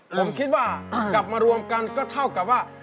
ผมคิดว่ากลับมารวมกันก็เท่ากับว่า